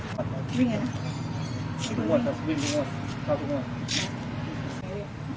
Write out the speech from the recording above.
พวกนี้ออกมาแล้วพี่แต่ว่าไม่ทันยังไม่ควร